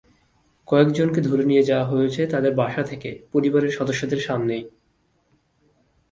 কয়েকজনকে ধরে নিয়ে যাওয়া হয়েছে তাঁদের বাসা থেকে, পরিবারের সদস্যদের সামনেই।